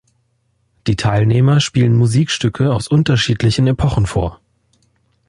Die Teilnehmer spielen Musikstücke aus unterschiedlichen Epochen vor.